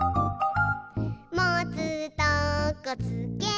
「もつとこつけて」